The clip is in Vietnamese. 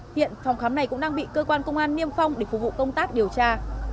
hiện phòng khám này cũng đang bị cơ quan công an niêm phong để phục vụ công tác điều tra